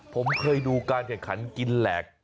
ผมเคยดูการแข่งขันกินแหลก